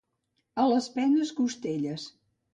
A les penes, costelles.